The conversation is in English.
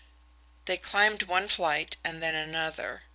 They climbed one flight, and then another.